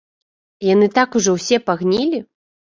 Яны так ўжо ўсе пагнілі!